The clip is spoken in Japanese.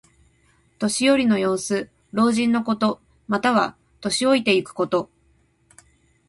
年寄りの様子。老人のこと。または、年老いていくこと。